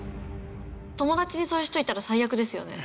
友達にそういう人いたら最悪ですよね。